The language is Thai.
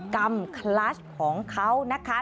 กำคัชของเขานะคะ